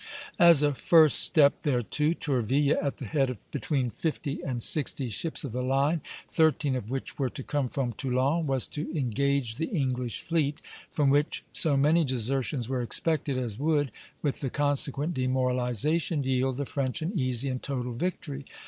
As a first step thereto, Tourville, at the head of between fifty and sixty ships of the line, thirteen of which were to come from Toulon, was to engage the English fleet; from which so many desertions were expected as would, with the consequent demoralization, yield the French an easy and total victory.